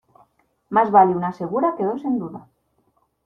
Más vale una segura que dos en duda.